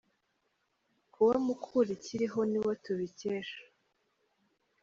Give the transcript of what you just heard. Kuba Mukura ikiriho ni bo tubikesha.